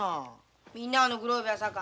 みんなのグローブやさか。